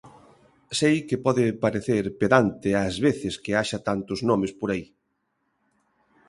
Sei que pode parecer pedante ás veces que haxa tantos nomes por aí.